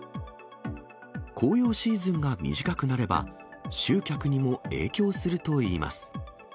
紅葉シーズンが短くなれば、集客にも影響するといいます。